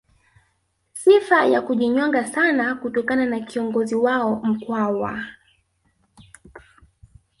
Sifa ya kujinyonga sana kutokana na kiongozi wao Mkwawa